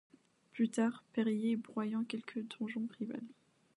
Plus tard, pierriers broyant quelque donjon-rival